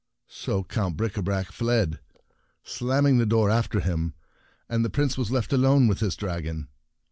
So Count Bricabrac fled, slamming the door after him, and the Prince was left alone with his dragon.